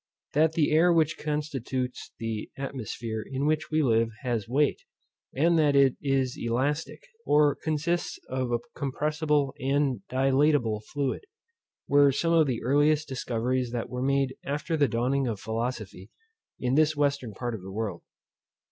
That the air which constitutes the atmosphere in which we live has weight, and that it is elastic, or consists of a compressible and dilatable fluid, were some of the earliest discoveries that were made after the dawning of philosophy in this western part of the world.